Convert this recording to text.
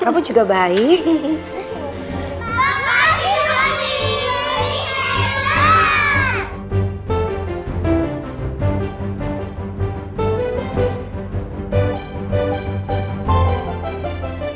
kamu juga baik